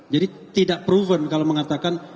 jadi tidak proven kalau mengatakan